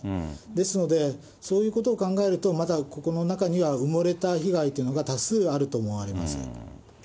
ですので、そういうことを考えると、まだここの中には埋もれた被害というのが、多数あると思われます。